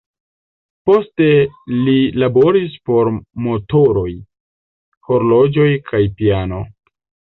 Poste li laboris por motoroj, horloĝoj kaj piano.